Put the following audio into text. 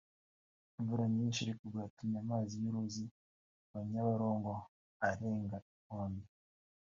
Imvura nyinshi iri kugwa yatumye amazi y’uruzi rwa Nyabarongo arenga inkombe